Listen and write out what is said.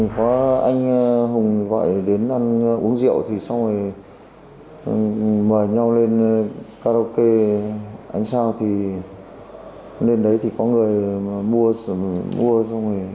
có anh hùng gọi đến ăn uống rượu thì xong rồi mời nhau lên karaoke ánh sao thì lên đấy thì có người mua xong rồi